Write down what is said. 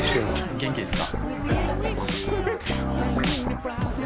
元気ですか？